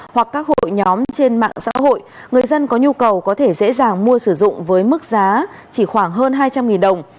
hoặc các hội nhóm trên mạng xã hội người dân có nhu cầu có thể dễ dàng mua sử dụng với mức giá chỉ khoảng hơn hai trăm linh đồng